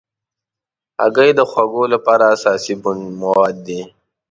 هګۍ د خواږو لپاره اساسي مواد دي.